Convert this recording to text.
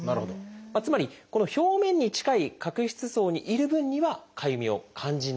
つまりこの表面に近い角質層にいる分にはかゆみを感じないというわけなんです。